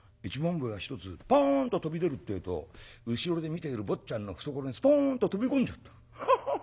笛が１つポンと飛び出るってえと後ろで見ている坊ちゃんの懐にスポンと飛び込んじゃった。ハハハ！